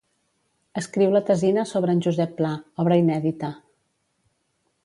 Escriu la tesina sobre en Josep Pla, obra inèdita.